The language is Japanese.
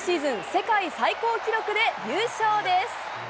世界最高記録で優勝です。